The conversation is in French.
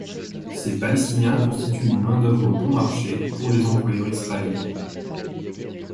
Ces Palestiniens constituent une main-d’œuvre bon marché pour les employeurs israéliens.